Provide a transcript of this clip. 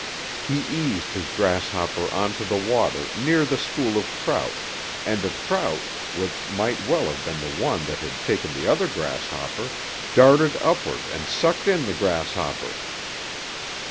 He eased his grasshopper onto the water near the school of trout and a trout, which might well have been the one that had taken the other grasshopper, darted upward and sucked in the grasshopper.